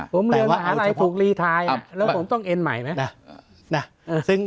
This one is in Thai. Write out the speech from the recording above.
ผมเรียนมหาลัยผูกรีไทยแล้วผมต้องเอ็นใหม่ไหม